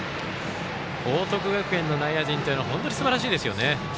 報徳学園の内野陣というのは本当にすばらしいですよね。